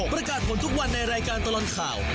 ประกาศผลทุกวันในรายการตลอดข่าว